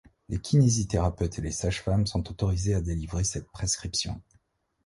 Les kinésithérapeutes et sage-femmes sont autorisés à délivrer cette prescription.